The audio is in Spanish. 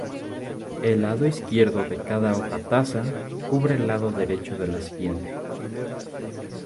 El lado izquierdo de cada hoja taza cubre el lado derecho de la siguiente.